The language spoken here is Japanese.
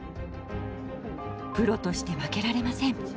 プロとして負けられません。